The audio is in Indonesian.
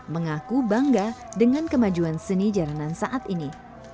mengaku bangga dengan kemajuan seni jalanan saat ini